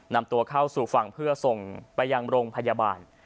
นำตัวเข้าสู่ฝั่งเพื่อส่งไปยังโรงพยาบาล